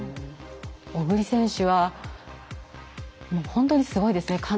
小栗選手は、本当にすごいですね。